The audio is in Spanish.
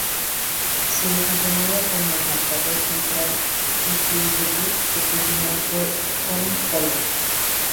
Se desempeñaba como marcador central, y su debut profesional fue con Colón.